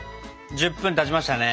１０分たちましたね。